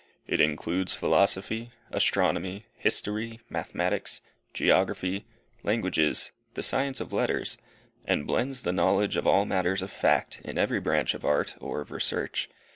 It includes philosophy, astronomy, history, mathematics, geography, languages, the science of letters; and blends the knowledge of all matters of fact, in every branch of art, or of research.